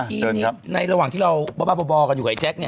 เชิญครับในระหว่างที่เราบ้าบ้าบอบอกันอยู่กับไอ้แจ๊คเนี่ย